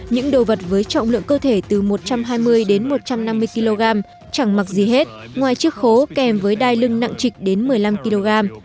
những đồ vật với trọng lượng cơ thể từ một trăm hai mươi đến một trăm năm mươi kg chẳng mặc gì hết ngoài chiếc khố kèm với đai lưng nặng trịch đến một mươi năm kg